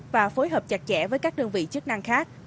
và phối hợp chặt chẽ với các đơn vị chức năng khác